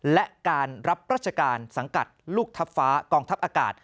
และการรับราชการสังกัดลูกทัพฟ้ากองทัพอากาศ